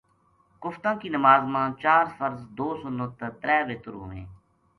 کفتاں کی نماز ما چار فرض، دو سنت تے ترے وتر ہوویں۔